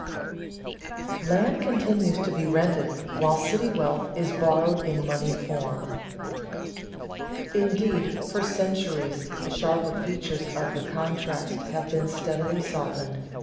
[Sidenote: Land continues to be rented while city wealth is borrowed in money form] Indeed, for centuries the sharper features of the contrast have been steadily softened.